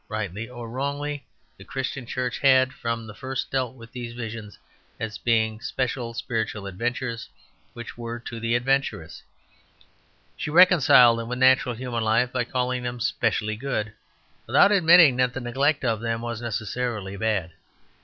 Rightly or wrongly, the Christian Church had from the first dealt with these visions as being special spiritual adventures which were to the adventurous. She reconciled them with natural human life by calling them specially good, without admitting that the neglect of them was necessarily bad.